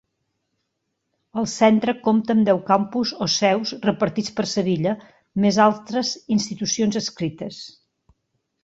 El centre compta amb deu campus o seus repartits per Sevilla, més altres institucions adscrites.